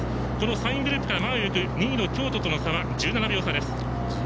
３位グループが行く２位の京都との差は１７秒差です。